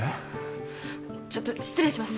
ちょっと失礼します。